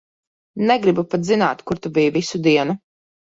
Negribu pat zināt, kur tu biji visu dienu.